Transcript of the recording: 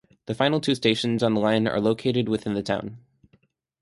The final two stations on the line are located within the town.